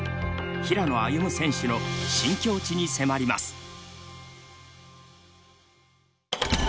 平野歩夢選手の新境地に迫ります。